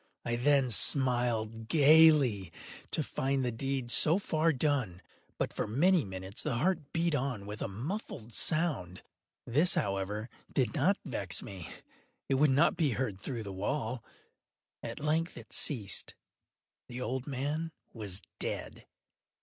I then smiled gaily, to find the deed so far done. But, for many minutes, the heart beat on with a muffled sound. This, however, did not vex me; it would not be heard through the wall. At length it ceased. The old man was dead.